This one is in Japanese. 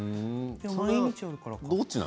毎日やるからかな？